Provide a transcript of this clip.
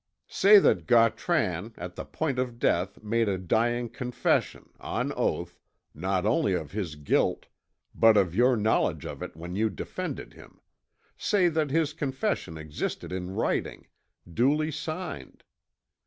Say that Gautran at the point of death made a dying confession, on oath, not only of his guilt, but of your knowledge of it when you defended him; say that this confession exists in writing, duly signed.